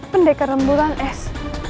pendekar rembulan s